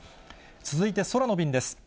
続いて空の便です。